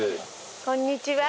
こんにちは。